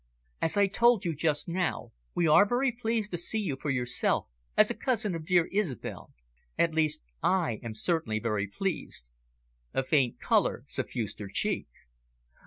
"As I told you just now, we are very pleased to see you for yourself, as a cousin of dear Isobel, at least I am certainly very pleased." A faint colour suffused her cheek.